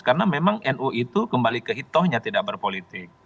karena memang nu itu kembali ke hitohnya tidak berpolitik